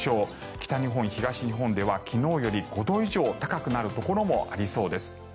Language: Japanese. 北日本、東日本では昨日より５度以上高くなるところもありそうです。